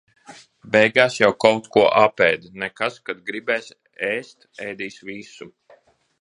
Beigās jau kaut ko apēda. Nekas, kad gribēs ēst, ēdis visu.